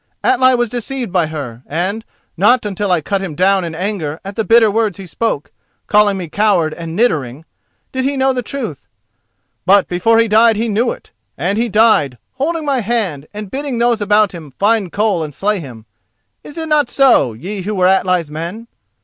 Atli was deceived by her, and not until I had cut him down in anger at the bitter words he spoke, calling me coward and niddering, did he know the truth. But before he died he knew it; and he died, holding my hand and bidding those about him find Koll and slay him. Is it not so, ye who were Atli's men?"